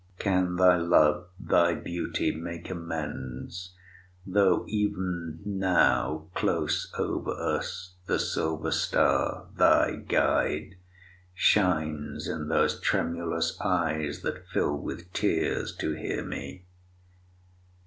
Can thy love, Thy beauty, make amends, tho' even now, Close over us, the silver star, thy guide, Shines in those tremulous eyes that fill with tears To hear me?